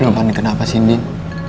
lo paham kenapa sih dien